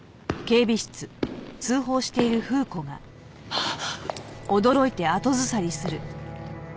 あっ！